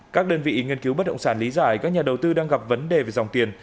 các đơn vị nghiên cứu bất động sản lý giải các nhà đầu tư đang gặp vấn đề về dòng tiền